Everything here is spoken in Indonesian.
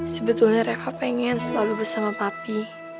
sebetulnya mereka pengen selalu bersama papi